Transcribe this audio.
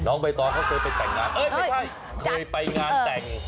ใบตองเขาเคยไปแต่งงานเอ้ยไม่ใช่เคยไปงานแต่ง